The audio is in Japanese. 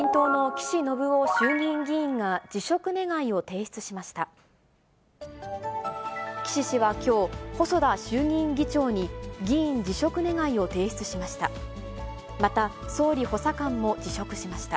岸氏はきょう、細田衆議院議長に議員辞職願を提出しました。